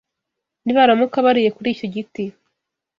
nibaramuka bariye kuri icyo giti,